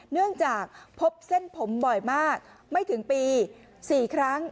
เนื่องจากพบเส้นผมบ่อยมากไม่ถึงปี๔ครั้ง